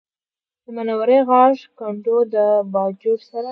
د منورې غاښی کنډو د باجوړ سره